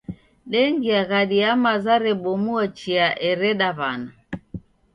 Dengia ghadi ya maza rebomua chia ereda w'ana.